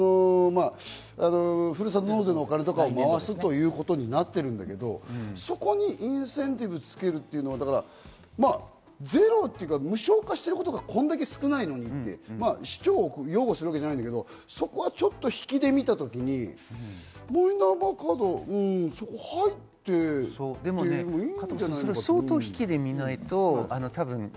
今年はそのお金がないので、ふるさと納税のお金とかを回すということになっているんだけど、そこにインセンティブをつけるというのはゼロというか無償化していることがこんだけ少ないのに、市長を擁護するわけじゃないけど、そこはちょっと引きで見たときに、マイナンバーカード入ってもいいんじゃないかなって。